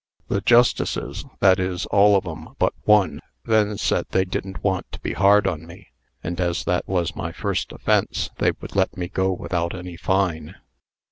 The justices that is, all of 'em but one then said they didn't want to be hard on me; and as that was my first offence, they would let me go without any fine.